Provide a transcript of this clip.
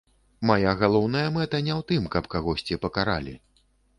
Мая галоўная мэта не ў тым, каб кагосьці пакаралі.